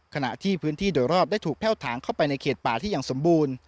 ขณะที่พื้นที่โดยรอบได้ถูกแพ่วถางเข้าไปในเขตป่าที่ยังสมบูรณ์